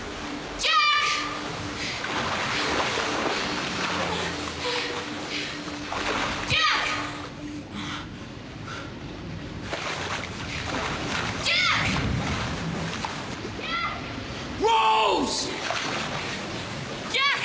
ジャック！